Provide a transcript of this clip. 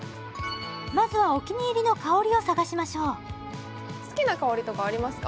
まずはお気に入りの香りを探しましょう好きな香りとかありますか？